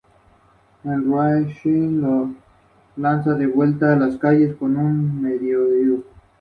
Gran parte de esta zona.